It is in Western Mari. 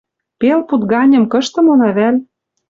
Пел пуд ганьым кышты мона вӓл?